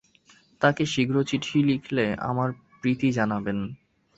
তাঁকে শীঘ্র চিঠি লিখলে আমার প্রীতি জানাবেন।